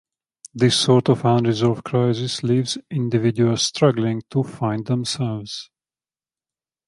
This sort of unresolved crisis leaves individuals struggling to "find themselves".